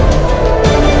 aku sudah menang